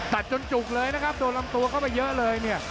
ตัดจนจุกเลยนะครับโดนลำตัวก็เยอะเลยเนี่ย